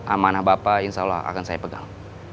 amanah bapak insya allah akan saya pegang